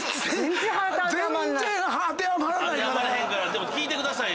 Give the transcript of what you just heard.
でも聞いてください。